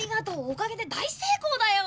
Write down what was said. おかげで大成功だよ。